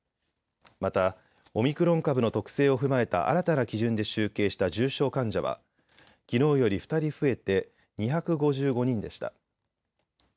またオミクロン株の特性を踏まえた新たな基準で集計した重症患者はきのうより２人増えて２５５人でした。